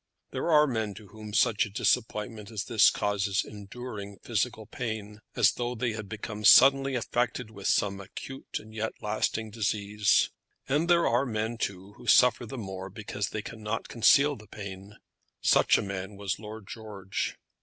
There are men to whom such a disappointment as this causes enduring physical pain, as though they had become suddenly affected with some acute and yet lasting disease. And there are men, too, who suffer the more because they cannot conceal the pain. Such a man was Lord George.